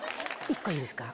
１個いいですか？